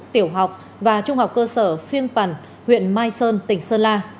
tiểu học và trung học cơ sở phiên phản huyện mai sơn tỉnh sơn la